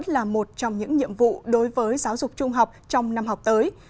là một trong những nhiệm vụ đối với giáo dục trung học trong năm học tới